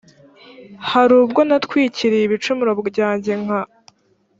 hari ubwo natwikiriye ibicumuro byanjye nka